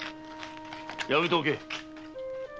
やめておけ！